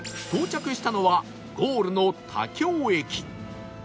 到着したのはゴールの田京駅